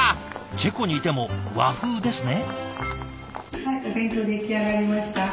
チェコにいても和風ですね。